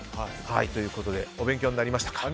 ということでお勉強になりましたか。